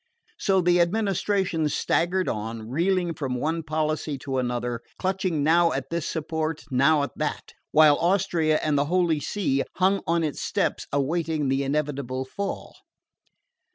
So the administration staggered on, reeling from one policy to another, clutching now at this support and now at that, while Austria and the Holy See hung on its steps, awaiting the inevitable fall.